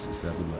istirahat dulu mak